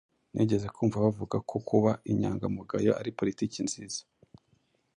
Nigeze kumva bavuga ko kuba inyangamugayo ari politiki nziza.